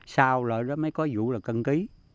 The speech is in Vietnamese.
sau đó mới có vụ là cân ký